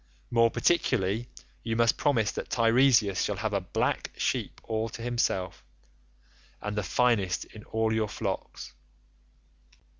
More particularly you must promise that Teiresias shall have a black sheep all to himself, the finest in all your flocks.